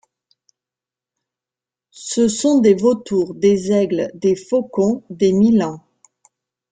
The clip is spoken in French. Ce sont des vautours, des aigles, des faucons, des milans.